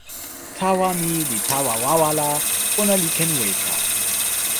tawa ni li tawa wawa la, ona li ken weka.